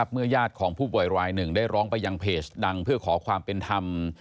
ญาติของผู้ป่วยรายหนึ่งได้ร้องไปยังเพจดังเพื่อขอความเป็นธรรม